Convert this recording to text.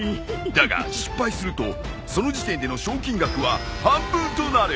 だが失敗するとその時点での賞金額は半分となる。